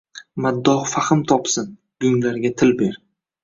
Maddoh fahm topsin, gunglarga til ber –